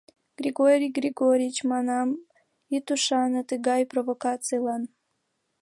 — Григорий Георгич, манам, ит ӱшане тыгай провокацийлан.